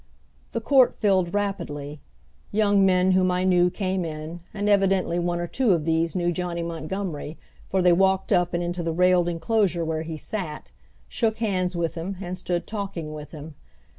The court filled rapidly. Young men whom I knew came in, and evidently one or two of these knew Johnny Montgomery; for they walked up and into the railed inclosure where he sat, shook hands with him and stood talking with him.